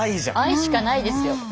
愛しかないですよ。